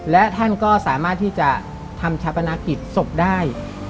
และท่านก็สามารถที่จะทำชาปนากิจศพได้